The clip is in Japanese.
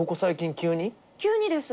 急にです。